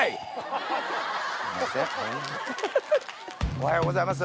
おはようございます。